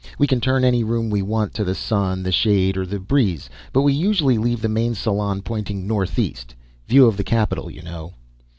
We can turn any room we want to the sun, the shade or the breeze, but we usually leave the main salon pointing northeast. View of the capital, you know."